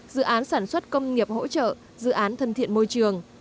dự án sản xuất công nghiệp hỗ trợ dự án thân thiện môi trường